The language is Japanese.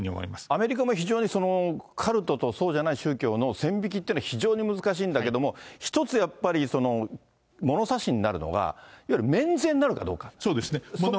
アメリカも非常にカルトとそうじゃない宗教の線引きっていうのは非常に難しいんだけども、一つ、やっぱり物差しになるのが、そうですね。